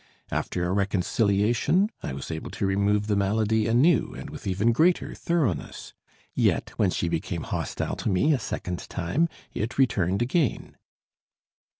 After a reconciliation I was able to remove the malady anew and with even greater thoroughness, yet when she became hostile to me a second time it returned again.